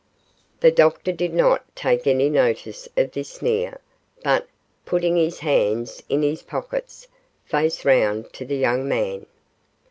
The doctor did not take any notice of this sneer, but, putting his hands in his pockets, faced round to the young man.